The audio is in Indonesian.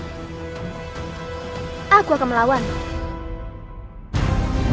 hai aku akan melawanmu